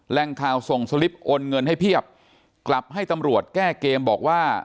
แรงข่าวส่งสลิปโอนเงินให้เพียบกลับให้ตำรวจแก้เกมบอกว่า